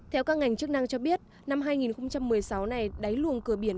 theo các ngành chức năng cho biết năm hai nghìn một mươi sáu này đáy luồng cửa biển